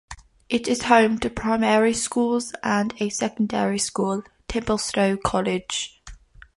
It is home to primary schools and a secondary school; Templestowe College.